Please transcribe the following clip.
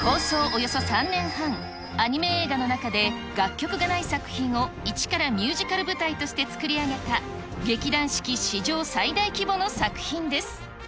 およそ３年半、アニメ映画の中で、楽曲がない作品を一からミュージカル舞台として作り上げた劇団四季史上最大規模の作品です。